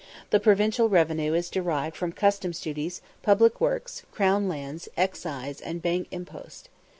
The provincial revenue is derived from customs duties, public works, crown lands, excise, and bank impost.